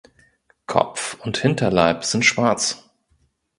Kopf und Hinterleib sind schwarz.